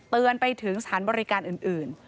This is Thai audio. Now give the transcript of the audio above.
เตือนไปถึงสถานบริการอื่น